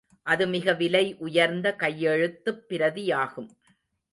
அது மிக விலை உயர்ந்த கையெழுத்துப் பிரதியாகும்.